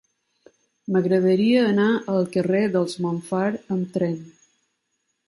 M'agradaria anar al carrer dels Montfar amb tren.